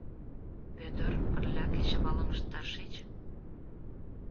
— Вӧдыр, пырля кечывалым ышташ шич.